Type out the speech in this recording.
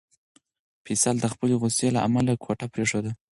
فیصل د خپلې غوسې له امله کوټه پرېښوده.